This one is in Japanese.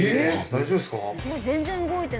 大丈夫ですか？